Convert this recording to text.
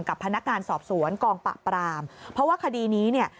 กับพนักงานสอบสวนกองปราบปรามเพราะว่าคดีนี้เนี่ย